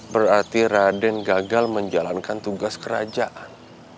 berarti raden gagal menjalankan tugas kerajaan